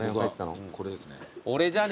これですね。